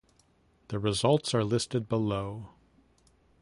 The results are listed below.